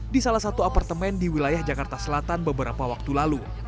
di salah satu apartemen di wilayah jakarta selatan beberapa waktu lalu